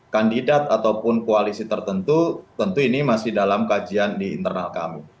kandidat ataupun koalisi tertentu tentu ini masih dalam kajian di internal kami